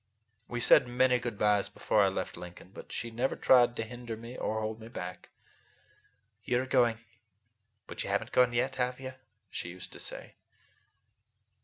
We said many good byes before I left Lincoln, but she never tried to hinder me or hold me back. "You are going, but you have n't gone yet, have you?" she used to say.